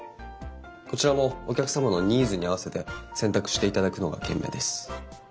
こちらもお客様のニーズに合わせて選択していただくのが賢明です。